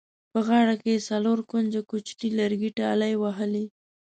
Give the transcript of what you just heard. په غاړه کې یې څلور کونجه کوچیني لرګي ټالۍ وهلې.